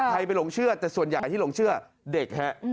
ใครไปหลงเชื่อแต่ส่วนใหญ่ที่หลงเชื่อเด็กฮะ